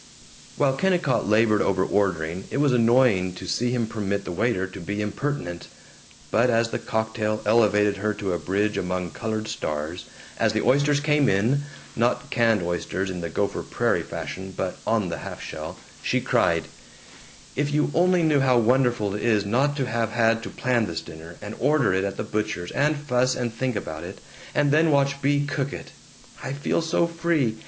While Kennicott labored over ordering it was annoying to see him permit the waiter to be impertinent, but as the cocktail elevated her to a bridge among colored stars, as the oysters came in not canned oysters in the Gopher Prairie fashion, but on the half shell she cried, "If you only knew how wonderful it is not to have had to plan this dinner, and order it at the butcher's and fuss and think about it, and then watch Bea cook it! I feel so free.